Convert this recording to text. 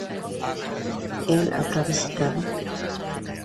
Él habrá visitado